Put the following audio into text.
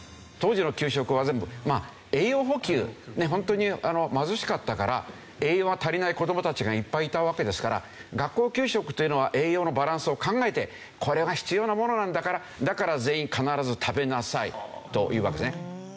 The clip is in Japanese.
ホントに貧しかったから栄養が足りない子どもたちがいっぱいいたわけですから学校給食というのは栄養のバランスを考えてこれが必要なものなんだからだから全員必ず食べなさいというわけですね。